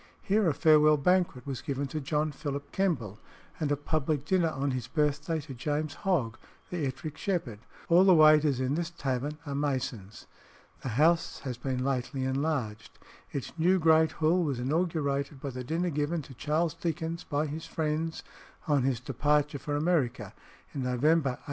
Here a farewell banquet was given to John Philip Kemble, and a public dinner on his birthday, to James Hogg, the Ettrick Shepherd. All the waiters in this tavern are Masons. The house has been lately enlarged. Its new great Hall was inaugurated by the dinner given to Charles Dickens by his friends on his departure for America in November 1857.